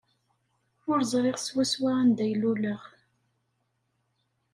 Ur ẓriɣ swaswa anda ay luleɣ.